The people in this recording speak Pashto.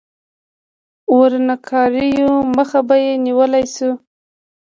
ورانکاریو مخه به یې ونیول شي.